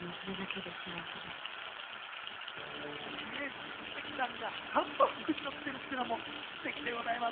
杉咲さんがハンモックに乗ってるっていうのはステキでございます。